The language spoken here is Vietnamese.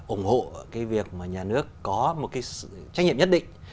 ủng hộ cái việc mà nhà nước có một cái trách nhiệm nhất định